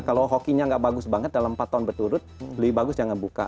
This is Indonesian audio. kalau hokinya gak bagus banget dalam empat tahun berturut lebih bagus jangan buka